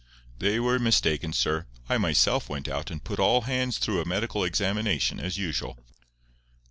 "They were mistaken, sir. I myself went out and put all hands through a medical examination, as usual.